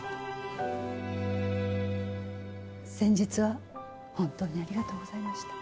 先日は本当にありがとうございました。